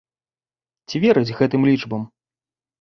Ці верыць гэтым лічбам?